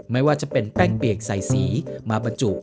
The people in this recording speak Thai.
ไม่ว่าจะเป็นแป้งเปียกใส่สีมาบรรจุ